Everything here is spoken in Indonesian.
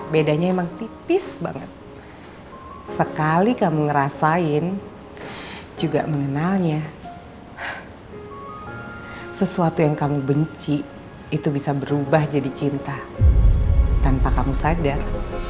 saya merasakan juga mengenalnya sesuatu yang kamu benci itu bisa berubah jadi cinta tanpa kamu sadar